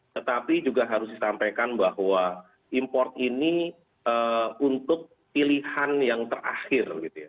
tetapi juga harus disampaikan bahwa import ini untuk pilihan yang terakhir